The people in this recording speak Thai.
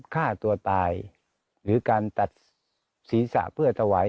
ความเข้าหรือเกี่ยวกับเหตุทาง